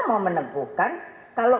mau meneguhkan kalau